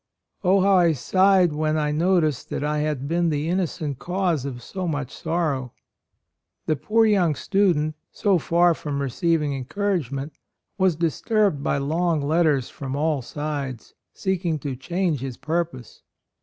Oh, how I sighed when I noticed that I had been the innocent cause of so much sorrow !" The poor young student, so far from receiving encourage ment, was disturbed by long letters from all sides, seeking to change his purpose.